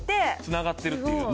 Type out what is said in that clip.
繋がってるっていう。